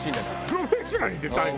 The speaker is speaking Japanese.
『プロフェッショナル』に出たいの？